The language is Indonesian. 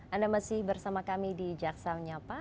anda masih bersama kami di jaksa menyapa